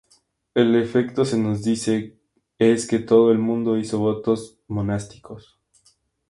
El efecto, se nos dice, es que todo el mundo hizo votos monásticos.